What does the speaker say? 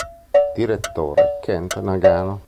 Direttore: Kent Nagano.